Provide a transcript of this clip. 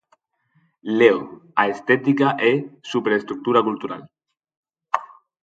Leo: A estética é superestrutura cultural.